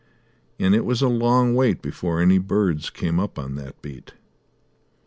And it was a long wait before any birds came up, on that beat.